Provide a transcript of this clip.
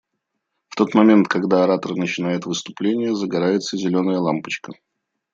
В тот момент, когда оратор начинает выступление, загорается зеленая лампочка.